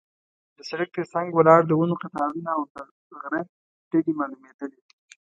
د سړک تر څنګ ولاړ د ونو قطارونه او د غره ډډې معلومېدلې.